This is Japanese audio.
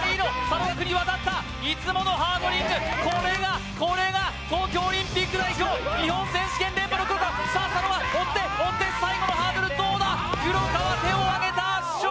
佐野岳に渡ったいつものハードリングこれがこれが東京オリンピック代表日本選手権連覇の黒川さあ佐野は追って追って最後のハードルどうだ黒川手をあげた圧勝